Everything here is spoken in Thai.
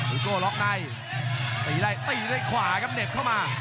อูโก้ล็อคในตีได้ตีได้ขวาครับเด็ดเข้ามา